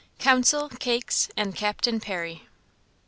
Counsel, Cakes, and Captain Parry.